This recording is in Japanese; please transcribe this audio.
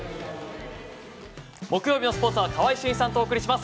木曜日のスポーツは川合俊一さんとお送りします。